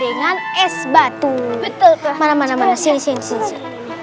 yang dilakukan itu adalah mengompres dengan es batu betul kemana mana sini sini eh iya